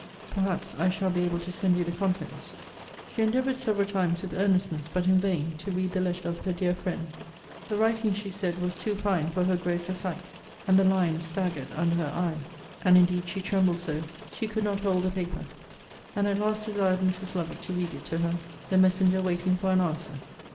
Perhaps I shall be able to send you the contents. She endeavoured several times with earnestness, but in vain, to read the letter of her dear friend. The writing, she said, was too fine for her grosser sight, and the lines staggered under her eye. And indeed she trembled so, she could not hold the paper; and at last desired Mrs. Lovick to read it to her, the messenger waiting for an answer.